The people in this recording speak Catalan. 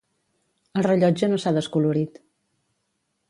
El rellotge no s'ha descolorit.